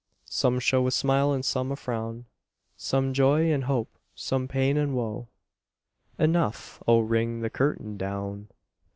Some show a smile and some a frown; Some joy and hope, some pain and woe: Enough! Oh, ring the curtain down!